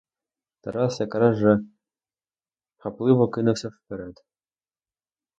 Тарас зараз же хапливо кинувся вперед.